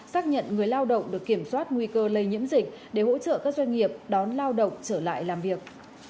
xác nhận người lao động được kiểm soát nguy cơ lây nhiễm dịch để hỗ trợ các doanh nghiệp đón lao động trở lại làm việc